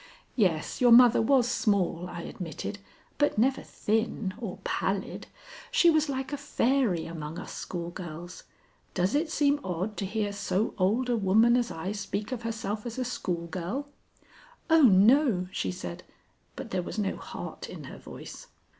"Yes, your mother was small," I admitted, "but never thin or pallid. She was like a fairy among us schoolgirls. Does it seem odd to hear so old a woman as I speak of herself as a schoolgirl?" "Oh, no!" she said, but there was no heart in her voice.